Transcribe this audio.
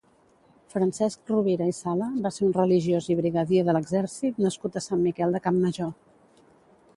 Francesc Rovira i Sala va ser un religiós i brigadier de l'exèrcit nascut a Sant Miquel de Campmajor.